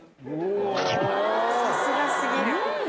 さすが過ぎる。